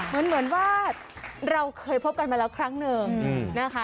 เหมือนว่าเราเคยพบกันมาแล้วครั้งหนึ่งนะคะ